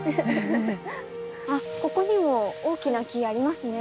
あここにも大きな木ありますね。